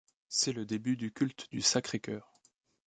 C’est le début du culte du Sacré-Cœur.